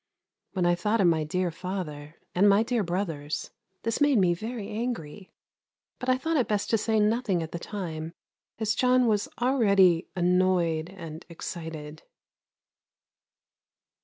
When I thought of my dear father, and my dear brothers, this made me very angry; but I thought it best to say nothing at the time, as John was already annoyed and excited.